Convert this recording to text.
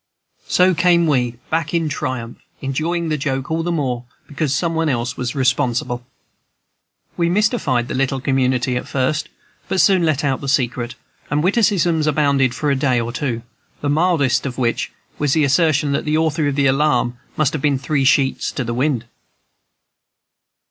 So came we back in triumph, enjoying the joke all the more because some one else was responsible. We mystified the little community at first, but soon let out the secret, and witticisms abounded for a day or two, the mildest of which was the assertion that the author of the alarm must have been "three sheets in the wind."